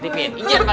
ijin pake ngambek